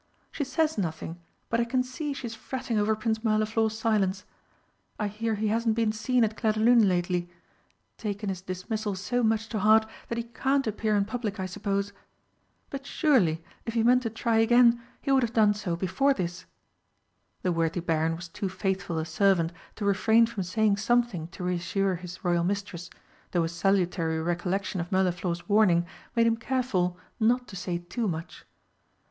She says nothing, but I can see she's fretting over Prince Mirliflor's silence. I hear he hasn't been seen at Clairdelune lately taken his dismissal so much to heart that he can't appear in public, I suppose. But surely if he meant to try again he would have done so before this!" The worthy Baron was too faithful a servant to refrain from saying something to reassure his Royal mistress, though a salutary recollection of Mirliflor's warning made him careful not to say too much.